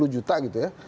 sepuluh juta gitu ya